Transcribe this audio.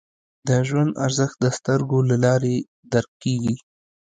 د ژوند ارزښت د سترګو له لارې درک کېږي